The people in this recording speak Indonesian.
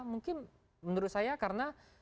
mungkin menurut saya karena